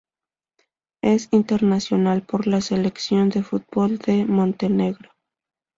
Es internacional por la selección de fútbol de Montenegro.